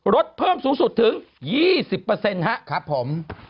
ลดเพิ่มสูงสุดถึง๒๐ครับผม